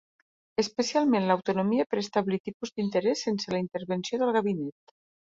Especialment l'autonomia per establir tipus d'interès sense la intervenció del gabinet.